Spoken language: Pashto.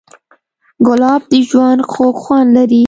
ګلاب د ژوند خوږ خوند لري.